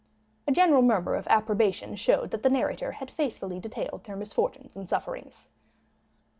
A general murmur of approbation showed that the narrator had faithfully detailed their misfortunes and sufferings.